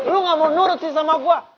lo gak mau nurut sih sama gue